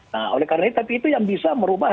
nah oleh karena itu tapi itu yang bisa merubah